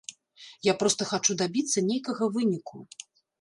Я проста хачу дабіцца нейкага выніку.